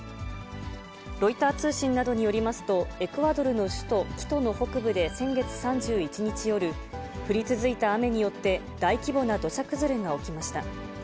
ロイター通信などによりますと、エクアドルの首都キトの北部で先月３１日夜、降り続いた雨によって、大規模な土砂崩れが起きました。